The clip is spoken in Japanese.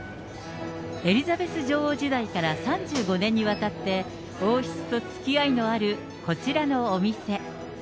エリザベス女王時代から３５年にわたって、王室とつきあいのあるこちらのお店。